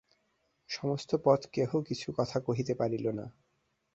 সমস্ত পথ কেহ কিছুই কথা কহিতে পারিল না।